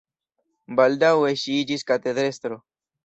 Baldaŭe ŝi iĝis katedrestro.